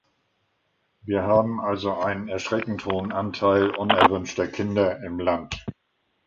Wir haben also einen erschreckend hohen Anteil unerwünschter Kinder im Land.